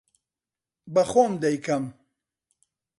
بە خۆم دەیکەم.